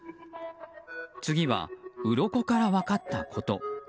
次は、うろこから分かったこと。